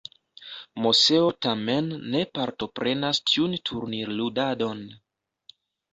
Moseo tamen ne partoprenas tiun turnirludadon.